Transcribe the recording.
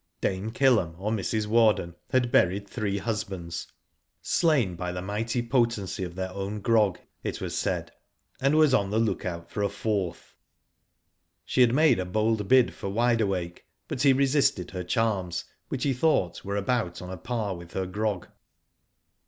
Dame Kill'em, or Mrs. Warden, had buried three husbands, slain by the mighty potency of their own grog, it was said, and was on the look out for a fourth. She had made a bold bid for Wide Awake, but he resisted her charms, which he thought were about on a par with her grog.